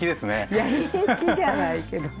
いや平気じゃないけどね。